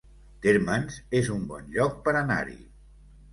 Térmens es un bon lloc per anar-hi